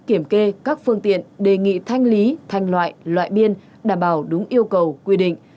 kiểm kê các phương tiện đề nghị thanh lý thanh loại loại biên đảm bảo đúng yêu cầu quy định